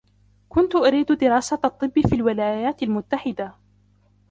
كنت أريد دراسة الطب في الولايات المتحدة.